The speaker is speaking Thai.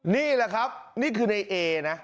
นี่แหละครับนี่คือในเอนะ